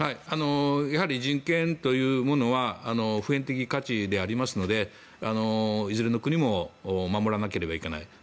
人権というものは普遍的価値でありますのでいずれの国も守らなければいけない。